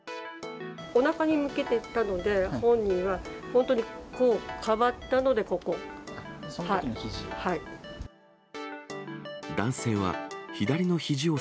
おなかに向けていったので、本人が、本当にこう、かばったので、ここを。